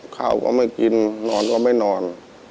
ข้าวก็ไม่กินนอนก็ไม่นอน